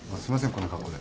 こんな格好で。